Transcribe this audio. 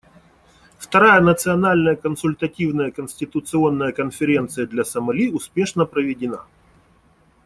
Вторая Национальная консультативная конституционная конференция для Сомали успешно проведена.